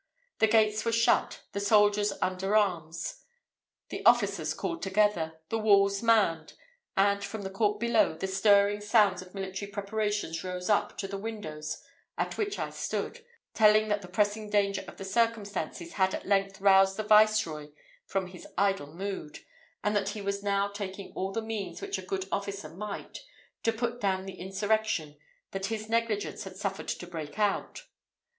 The gates were shut, the soldiers underarms, the officers called together, the walls manned; and, from the court below, the stirring sounds of military preparation rose up to the windows at which I stood, telling that the pressing danger of the circumstances had at length roused the viceroy from his idle mood, and that he was now taking all the means which a good officer might, to put down the insurrection that his negligence had suffered to break out.